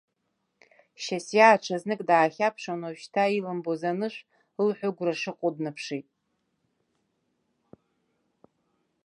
Шьасиа аҽазнык даахьаԥшын, уажәшьҭа илымбоз анышә ылҳәыгәра шыҟоу днаԥшит.